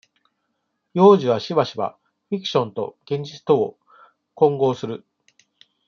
幼児は、しばしば、フィクションと現実とを、混同する。